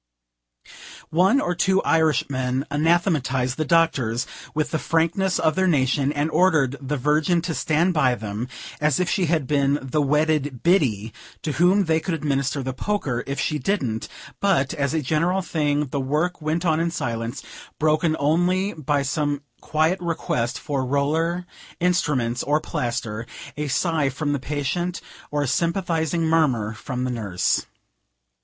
One or two Irishmen anathematized the doctors with the frankness of their nation, and ordered the Virgin to stand by them, as if she had been the wedded Biddy to whom they could administer the poker, if she didn't; but, as a general thing, the work went on in silence, broken only by some quiet request for roller, instruments, or plaster, a sigh from the patient, or a sympathizing murmur from the nurse.